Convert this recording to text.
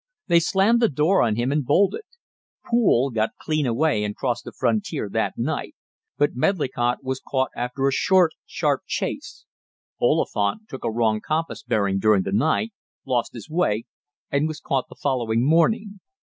They slammed the door on him and bolted. Poole got clean away and crossed the frontier that night, but Medlicott was caught after a short, sharp chase. Oliphant took a wrong compass bearing during the night, lost his way, and was caught the following morning.